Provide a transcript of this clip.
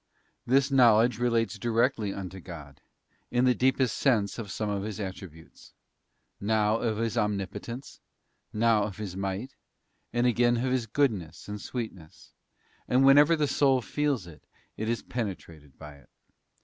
'* This knowledge relates directly unto God, in the deepest sense of some of His Attributes; now of His Omnipotence, now of His Might, and again of His Goodness and Sweetness ;_ and whenever the soul feels it, it is penetrated by it.